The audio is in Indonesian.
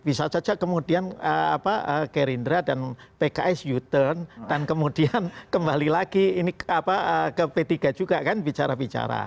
bisa saja kemudian gerindra dan pks you turn dan kemudian kembali lagi ini ke p tiga juga kan bicara bicara